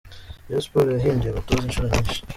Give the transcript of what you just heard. Rayon Sports yahinduye abatoza inshuro nyinshi.